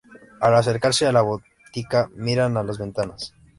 Al acercarse a la botica, miran a las ventanas.